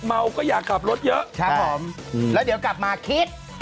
เมาก็อยากกลับรถเยอะใช่ค่ะแล้วเดี๋ยวกลับมาหรือคิด